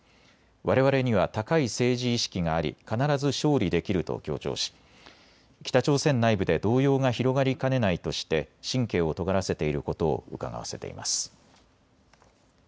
われわれには高い政治意識があり必ず勝利できると強調し北朝鮮内部で動揺が広がりかねないとして神経をとがらせていることをうかがわせています。